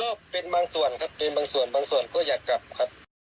ก็เป็นบางส่วนครับเป็นบางส่วนบางส่วนก็อยากกลับครับ